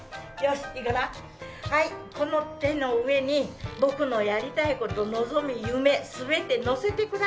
この手の上に僕のやりたい事望み夢全てのせてください。